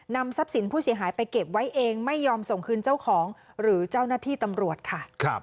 ทรัพย์สินผู้เสียหายไปเก็บไว้เองไม่ยอมส่งคืนเจ้าของหรือเจ้าหน้าที่ตำรวจค่ะ